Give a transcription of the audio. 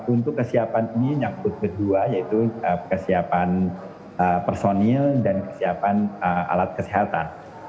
untuk kesiapan ini nyangkut kedua yaitu kesiapan personil dan kesiapan alat kesehatan